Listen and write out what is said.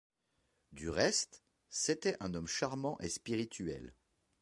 Du reste, c'était un homme charmant et spirituel.